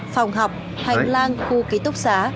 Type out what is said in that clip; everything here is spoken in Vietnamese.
phòng học hành lang khu ký túc xá